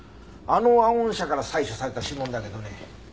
あのワゴン車から採取された指紋だけどね